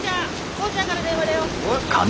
耕ちゃんから電話だよ。